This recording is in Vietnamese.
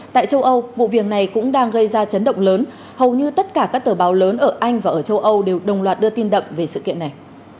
tại châu âu vụ viền này cũng đang gây ra chấn động lớn hầu như tất cả các tờ báo lớn ở anh và ở châu âu đều đồng loạt đưa tin đậm về sự kiện này